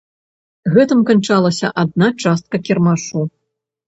Гэтым канчалася адна частка кірмашу.